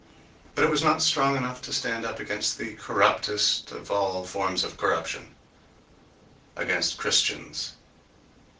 But it was not strong enough to stand up against the corruptest of all forms of corruption—against Christians....